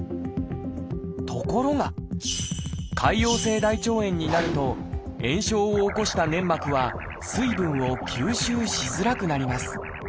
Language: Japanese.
ところが潰瘍性大腸炎になると炎症を起こした粘膜は水分を吸収しづらくなります。